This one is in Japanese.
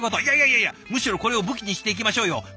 いやいやいやいやむしろこれを武器にしていきましょうよ！